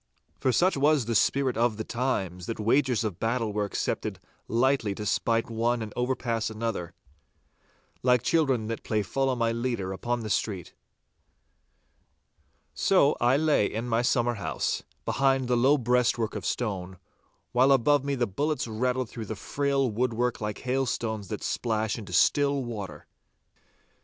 For such was the spirit of the times, that wagers of battle were accepted lightly to spite one and overpass another, like children that play Follow my leader upon the street. So I lay in my summer house, behind the low breastwork of stone, while above me the bullets rattled through the frail woodwork like hailstones that splash into still water.